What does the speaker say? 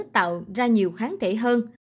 tạo ra nhiều kháng thể hơn